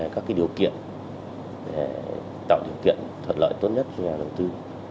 các điều kiện để tạo điều kiện thuận lợi tốt nhất cho nhà đầu tư